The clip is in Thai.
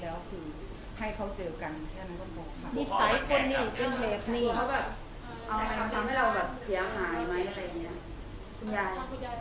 แล้วแต่เขาค่ะเพราะว่าเราทำหน้าที่ตรงนี้แล้วให้เขาเจอกัน